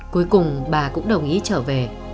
cuối cùng bà cũng đồng ý trở về